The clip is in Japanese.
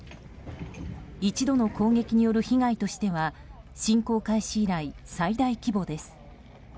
一度の攻撃による被害としては侵攻開始以来、最大規模です。